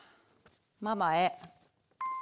ママへ。